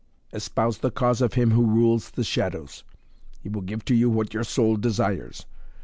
"Espouse the cause of him who rules the shadows. He will give to you what your soul desires.